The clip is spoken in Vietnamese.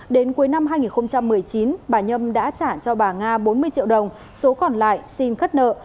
đến cuối năm hai nghìn một mươi chín bà nhâm đã trả cho bà nga bốn mươi triệu đồng số còn lại xin khất nợ